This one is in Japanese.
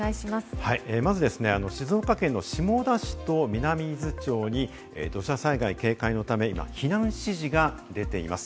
まず静岡県の下田市と南伊豆町に土砂災害警戒のため、今、避難指示が出ています。